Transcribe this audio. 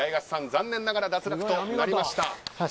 残念ながら脱落となりました。